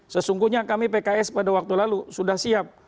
sesungguhnya kami pks pada waktu lalu sudah siap